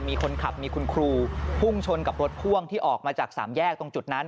มีคนขับมีคุณครูพุ่งชนกับรถพ่วงที่ออกมาจากสามแยกตรงจุดนั้น